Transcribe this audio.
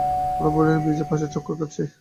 আমরা ব্রুকলিন ব্রিজের পাশে চক্কর কাটচ্ছি।